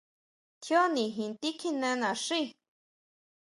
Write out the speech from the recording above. Tjíó nijin tikjineo naxíi.